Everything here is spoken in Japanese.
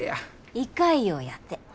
胃潰瘍やて。